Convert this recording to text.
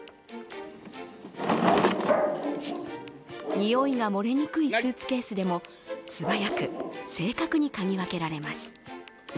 匂いが漏れにくいスーツケースでも素早く正確にかぎ分けられます。